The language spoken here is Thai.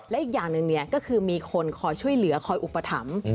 และอีกอย่างหนึ่งก็คือมีคนคอยช่วยเหลือคอยอุปถัมภ์